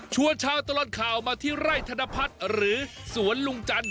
ชาวตลอดข่าวมาที่ไร่ธนพัฒน์หรือสวนลุงจันท